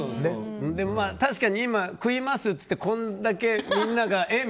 確かに今、食います？って言って、これだけみんながえ？